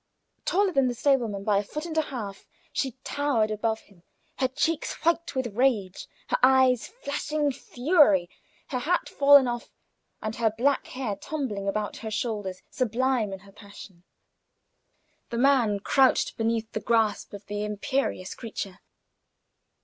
Taller than the stable man by a foot and a half, she towered above him, her cheeks white with rage, her eyes flashing fury, her hat fallen off, and her black hair tumbling about her shoulders, sublime in her passion. The man crouched beneath the grasp of the imperious creature.